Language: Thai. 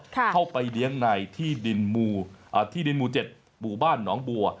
เข้าไปเลี้ยงในที่ดินมู๗บุบ้านหนองบัว